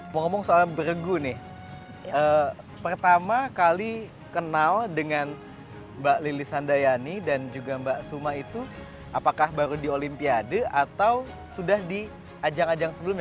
mau ngomong soal bergu nih pertama kali kenal dengan mbak lili sandayani dan juga mbak suma itu apakah baru di olimpiade atau sudah di ajang ajang sebelumnya